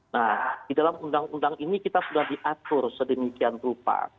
nah di dalam undang undang ini kita sudah diatur sedemikian rupa